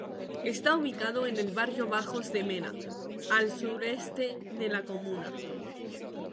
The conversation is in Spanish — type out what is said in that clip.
Está ubicado en el barrio Bajos de Mena, al suroeste de la comuna.